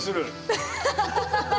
アハハハハ！